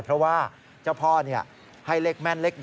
เพราะว่าเจ้าพ่อให้เลขแม่นเลข๑